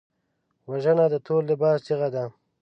وژنه د تور لباس چیغه ده